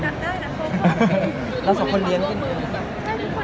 มีโครงการทุกทีใช่ไหม